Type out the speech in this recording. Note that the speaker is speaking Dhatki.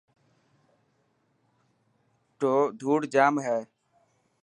ڌوڙ ڄام هي.